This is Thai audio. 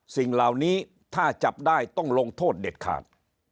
สิ่งเหล่านี้ถ้าจับได้ต้องลงโทษเด็ดขาด